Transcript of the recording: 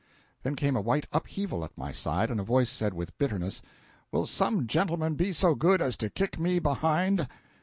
Then came a white upheaval at my side, and a voice said, with bitterness: "Will some gentleman be so good as to kick me behind?"